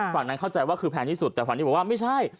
ฝั่งนั้นเข้าใจว่าคือแพงที่สุดแต่ฝั่งที่บอกว่าไม่ใช่